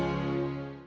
banyak kali mau bawa kurma